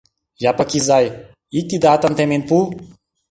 Япык изай, ик тиде атым темен пу.